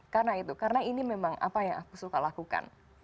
karena itu karena ini memang apa yang aku suka lakukan